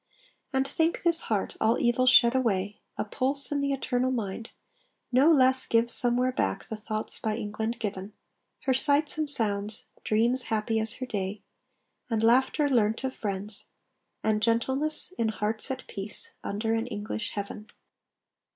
And think, this heart, all evil shed away, A pulse in the eternal mind, no less Gives somewhere back the thoughts by England given; Her sights and sounds; dreams happy as her day; And laughter, learnt of friends; and gentleness, In hearts at peace, under an English heaven.